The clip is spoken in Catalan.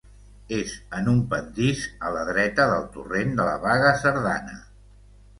És en un pendís a la dreta del torrent de la Baga Cerdana.